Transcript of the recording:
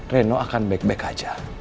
reno akan baik baik aja